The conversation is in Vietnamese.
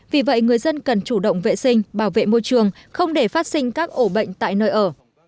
vì vậy người dân cần chủ động vệ sinh bảo vệ môi trường không để phát sinh các ổ bệnh tại nơi ở